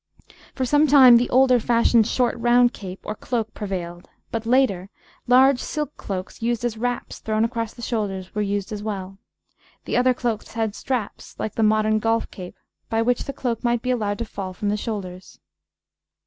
For some time the older fashioned short round cape or cloak prevailed, but later, large silk cloaks used as wraps thrown across the shoulders were used as well. The other cloaks had straps, like the modern golf cape, by which the cloak might be allowed to fall from the shoulders.